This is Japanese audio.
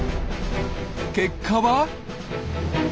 結果は？